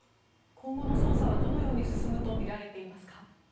今後の捜査はどのように進むとみられていますか。